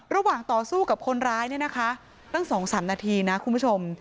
ต่อสู้กับคนร้ายเนี่ยนะคะตั้ง๒๓นาทีนะคุณผู้ชม